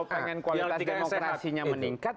pengen kualitas demokrasinya meningkat